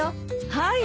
はい。